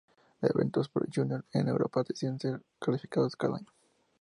Eventos Pro Junior en Europa deciden esos calificativos cada año.